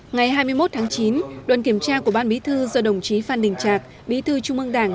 ngày hai mươi một tháng chín đoàn kiểm tra của ban bí thư do đồng chí phan đình trạc bí thư trung ương đảng